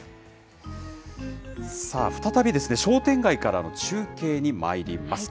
さあ、再び商店街からの中継にまいります。